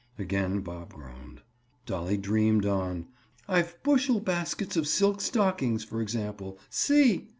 Again Bob groaned. Dolly dreamed on: "I've bushel baskets of silk stockings, for example. See!"